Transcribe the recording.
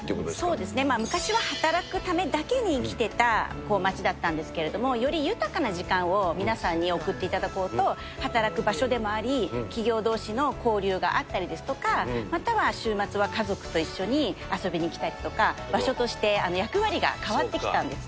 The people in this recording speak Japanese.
そうですね、昔は働くためだけに生きてた街だったんですけれども、より豊かな時間を皆さんに送っていただこうと、働く場所でもあり、企業どうしの交流があったりですとか、または週末は家族と一緒に遊びに来たりとか、場所として、役割が変わってきたんですね。